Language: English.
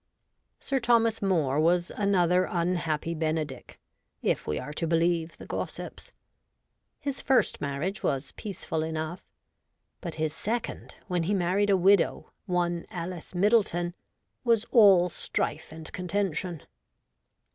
Sir Thomas More was another unhappy Bene dick, if we are to believe the gossips. His first marriage was peaceful enough ; but his second, when he married a widow, one Alice Middleton, was all strife and contention.